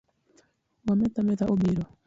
Wa meth ametha obiro.